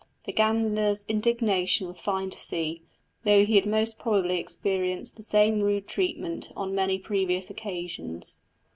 The gander's indignation was fine to see, though he had most probably experienced the same rude treatment on many previous occasions.